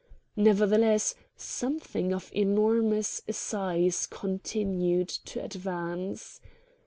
Nevertheless something of enormous size continued to advance.